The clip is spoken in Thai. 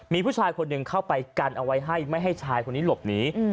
มีผู้ชายคนหนึ่งเข้าไปกันเอาไว้ให้ไม่ให้ชายคนนี้หลบหนี